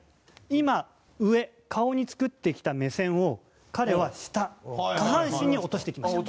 今上顔に作ってきた目線を彼は下下半身に落としてきました。